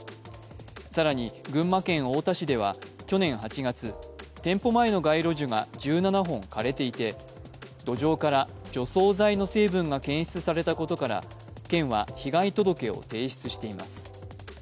更に、群馬県太田市では昨日８月、店舗前の街路樹が１７本枯れていて、土壌から除草剤の成分が検出されたことから県は被害届を提出しています。